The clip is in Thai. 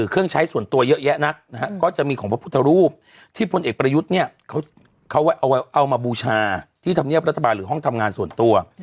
เขาเอามาบูชาที่ธรรมเนียบรัฐบาลหรือห้องทำงานส่วนตัว